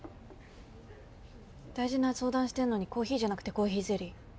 大事な相談してんのにコーヒーじゃなくてコーヒーゼリー。